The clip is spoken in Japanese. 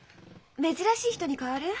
珍しい人に代わる？